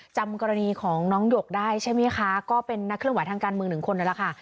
จำกรณีของน้องหยกได้ใช่ไหมคะก็เป็นนักเคลื่อนไหวทางการเมืองหนึ่งคนนั่นแหละค่ะ